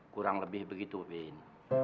kurang lebih begitu bin